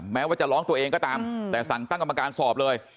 แม้ว่าจะร้องตัวเองก็ตามแต่สั่งตั้งกรรมการสอบเลย